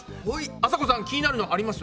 あさこさん気になるのあります？